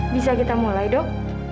bisa kita mulai dok